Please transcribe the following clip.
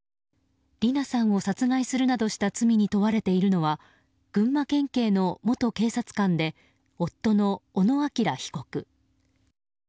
理奈さんを殺害するなどした罪に問われているのは群馬県警の元警察官で夫の小野陽被告。